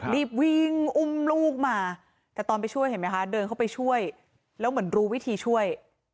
รีบวิ่งอุ้มลูกมาแต่ตอนไปช่วยเห็นไหมคะเดินเข้าไปช่วยแล้วเหมือนรู้วิธีช่วย